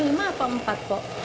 lima apa empat pok